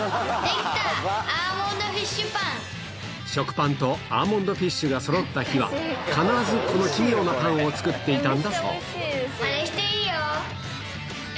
食パンとアーモンドフィッシュがそろった日は、必ずこの奇妙まねしていいよ！